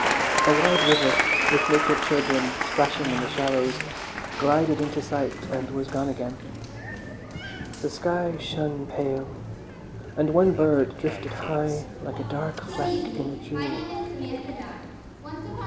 A wide river, with naked children splashing in the shallows, glided into sight and was gone again. The sky shone pale, and one bird drifted high like a dark fleck in a jewel.